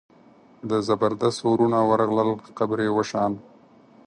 د زبردست وروڼه ورغلل قبر یې وشان.